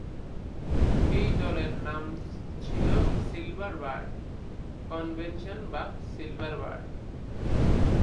এই দলের নাম ছিল সিলভার বার্ড কনভেনশন বা সিলভার বার্ড।